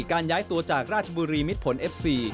การย้ายตัวจากราชบุรีมิดผลเอฟซี